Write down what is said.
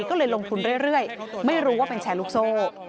ก็เลยลงทุนเรื่อยไม่รู้ว่าเป็นแชร์ลูกโซ่